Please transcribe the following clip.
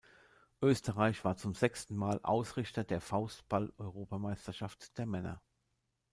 Österreich war zum sechsten Mal Ausrichter der Faustball-Europameisterschaft der Männer.